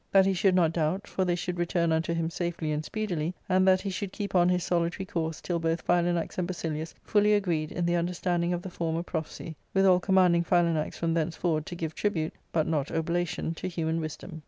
That he should not doubt, for they should return unto him safely and speedily, and that he should keep on his solitary course till both Philanax and Basilius fully agreed in the understanding of the former prophecy, withal commanding Philanax from thenceforward to give tribute, but not oblation, to human wisdom.